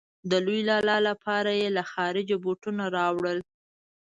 د لوی لالا لپاره به يې له خارجه بوټونه راوړل.